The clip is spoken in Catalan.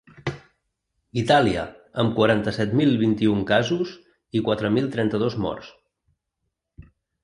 Itàlia, amb quaranta-set mil vint-i-un casos i quatre mil trenta-dos morts.